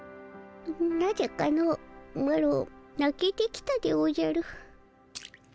なぜかのマロなけてきたでおじゃる。